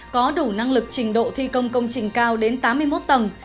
có đủ năng lực trình độ thi công công trình cao đến tám mươi một tầng